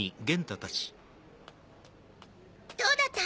どうだった？